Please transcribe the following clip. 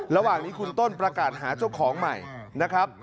ระหว่างนี้คุณต้นประกาศหาเจ้าของใหม่นะครับ